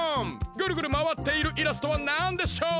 ぐるぐるまわっているイラストはなんでしょう？